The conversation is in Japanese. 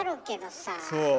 そう。